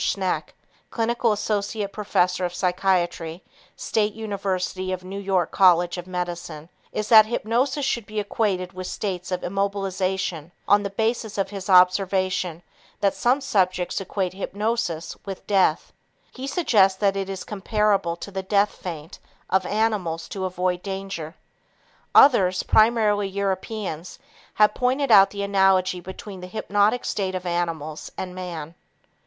Schneck, clinical associate professor of psychiatry, State University of New York College of Medicine, is that hypnosis should be equated with states of immobilization on the basis of his observation that some subjects equate hypnosis with "death." He suggests this is comparable to the "death feint" of animals to avoid danger. Others, primarily Europeans, have pointed out the analogy between the hypnotic state of animals and man.